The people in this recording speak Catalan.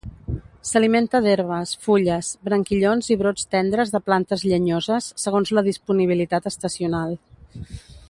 S'alimenta d'herbes, fulles, branquillons i brots tendres de plantes llenyoses segons la disponibilitat estacional.